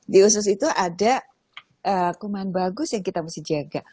di usus itu ada kuman bagus yang kita mesti jaga